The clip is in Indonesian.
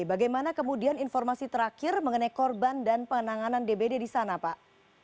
bagaimana kemudian informasi terakhir mengenai korban dan penanganan dbd di sana pak